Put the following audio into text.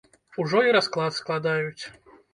Ужо і расклад складаюць.